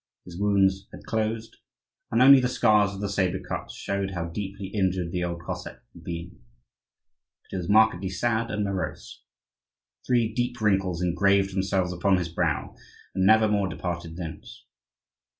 His wounds had closed, and only the scars of the sabre cuts showed how deeply injured the old Cossack had been. But he was markedly sad and morose. Three deep wrinkles engraved themselves upon his brow and never more departed thence.